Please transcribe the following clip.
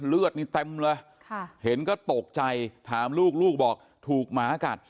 เลือดนี่เต็มเลยเห็นก็ตกใจถามลูกลูกบอกถูกหมากัด